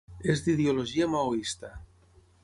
És d'ideologia maoista.